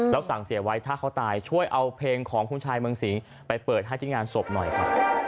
แล้วสั่งเสียไว้ถ้าเขาตายช่วยเอาเพลงของคุณชายเมืองสิงไปเปิดให้ที่งานศพหน่อยครับ